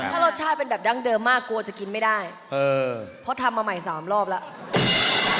ถ้ารสชาติเป็นแบบดั้งเดิมมากกลัวจะกินไม่ได้เพราะทำมาใหม่๓รอบแล้ว